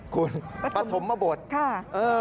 คุณปัดสมบดค่ะ